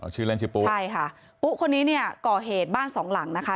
ชื่อเล่นชื่อปุ๊ใช่ค่ะปุ๊คนนี้เนี่ยก่อเหตุบ้านสองหลังนะคะ